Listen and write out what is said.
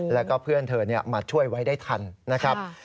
แล้วก็เพื่อนเธอมาช่วยไว้ได้ทันนะครับ